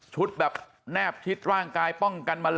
ผุดแบบแนบทิศร่างกายป้องกันแมลง